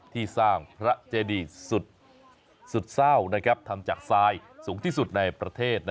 ที่สร้างพระเจดีสุดเศร้าทำจากทรายสูงที่สุดในประเทศ